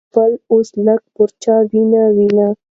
کابل اوس لږ پرچاویني ویني.